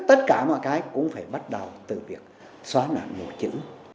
tất cả mọi cái cũng phải bắt đầu từ việc xóa nạn mù chữ